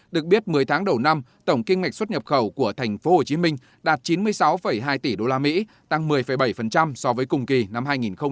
được biết một mươi tháng đầu năm tổng kim ngạch xuất nhập khẩu của thành phố hồ chí minh đạt chín mươi sáu hai tỷ đô la mỹ tăng một mươi bảy so với cùng kỳ năm hai nghìn một mươi tám